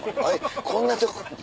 「こんなとこに！